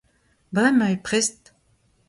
Bremañ eo prest!